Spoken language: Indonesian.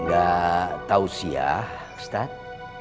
gak tau sih ya ustadz